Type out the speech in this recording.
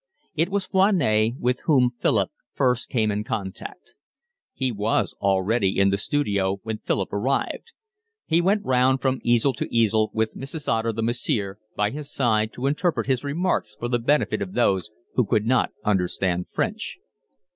It was Foinet with whom Philip first came in contact. He was already in the studio when Philip arrived. He went round from easel to easel, with Mrs. Otter, the massiere, by his side to interpret his remarks for the benefit of those who could not understand French.